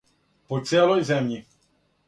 По целој земљи.